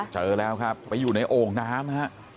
เจอแล้วครับไปอยู่ในโอ่งน้ำฮะ